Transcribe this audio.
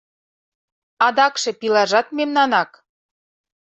Адакше пилажат мемнанак!